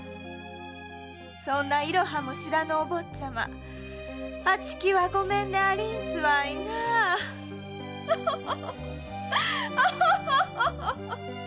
〔そんなイロハも知らぬお坊ちゃまあちきはご免でありんすわいなあ〕